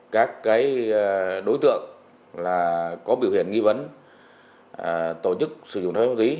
các đối tượng có biểu hiện nghi vấn tổ chức sử dụng trái phép ma túy